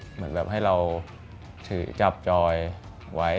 เหมือนแบบให้เราถือจับจอยไว้